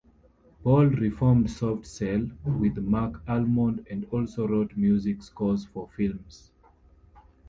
Ball reformed Soft Cell with Marc Almond, and also wrote music scores for films.